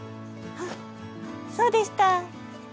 あっそうでした！